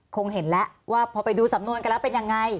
คงเห็นแล้วว่าพอไปดูสำนวนกันแล้วเป็นยังไง